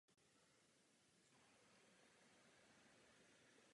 Další pamětní deska je umístěna při úpatí skály.